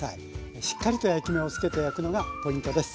しっかりと焼き目をつけて焼くのがポイントです。